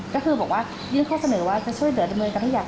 ก็คือบอกว่าเยี่ยมเขาเสนอว่าจะช่วยเหลือดำเนินกับพระเยียร์